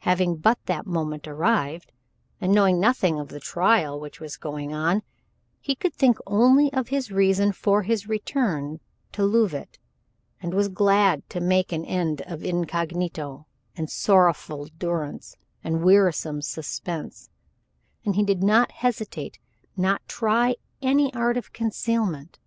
Having but that moment arrived, and knowing nothing of the trial which was going on, he could think only of his reason for his return to Leauvite, and was glad to make an end of incognito and sorrowful durance, and wearisome suspense, and he did not hesitate, nor try any art of concealment.